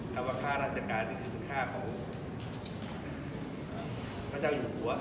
คำว่าค่าราชการนี่คือค่าของพระเจ้าอยู่หัว